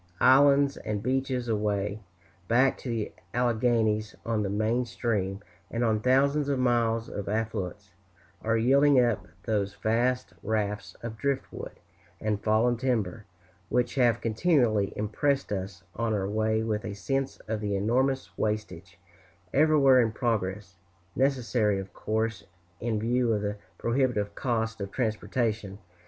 Islands and beaches, away back to the Alleghanies on the main stream, and on thousands of miles of affluents, are yielding up those vast rafts of drift wood and fallen timber, which have continually impressed us on our way with a sense of the enormous wastage everywhere in progress necessary, of course, in view of the prohibitive cost of transportation.